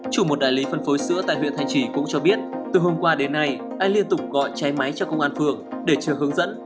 chủ một đại lý phân phối sữa tại huyện thanh trì cũng cho biết từ hôm qua đến nay anh liên tục gọi cháy máy cho công an phường để chờ hướng dẫn